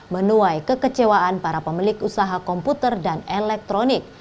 menuai kekecewaan para pemilik usaha komputer dan elektronik